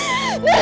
apa yang terjadi